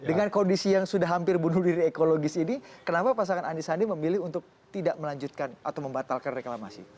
dengan kondisi yang sudah hampir bunuh diri ekologis ini kenapa pasangan andi sandi memilih untuk tidak melanjutkan atau membatalkan reklamasi